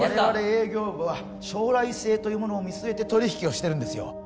我々営業部は将来性というものを見据えて取引をしてるんですよ